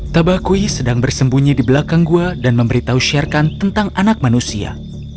tabakui sedang bersembunyi di belakang gua dan memberitahu sherkan tentang anak manusia